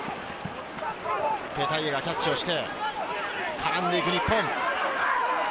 ペタイアがキャッチをして絡んでいく日本。